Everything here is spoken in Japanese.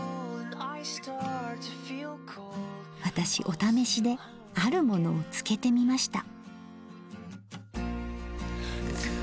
私「お試し」であるものを漬けてみました。